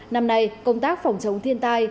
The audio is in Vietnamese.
năm nay công tác phòng chống thiên tai